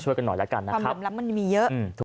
ช่วยกันหน่อยแล้วกันนะคะความลำลำมันมีเยอะ